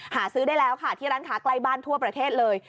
หาซื้อได้แล้วค่ะที่ร้านค้าใกล้บ้านทั่วประเทศเลย